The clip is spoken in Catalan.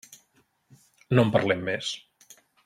No en parlem més.